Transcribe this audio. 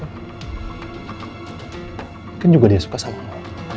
mungkin juga dia suka sama lo